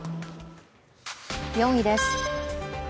４位です。